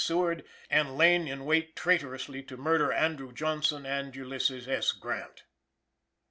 Seward, and lain in wait "traitorously" to murder Andrew Johnson and Ulysses S. Grant.